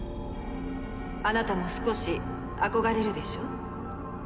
あなたも少し憧れるでしょ？